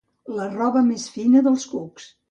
La roba més fina dels cucs.